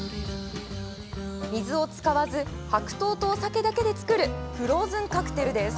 水を使わず、白桃とお酒だけで作るフローズンカクテルです。